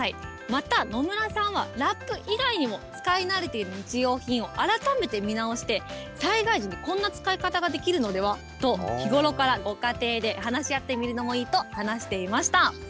また、野村さんはラップ以外にも使い慣れている日用品を改めて見直して、災害時にこんな使い方ができるのでは？と、日頃からご家庭で話し合ってみるのもいいと話していました。